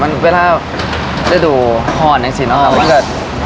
แต่เหมือนเวลาจะถูอห้ออย่างนี้สินะครับ